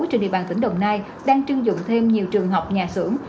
trên địa bàn tỉnh đồng nai đang trưng dụng thêm nhiều trường học nhà xưởng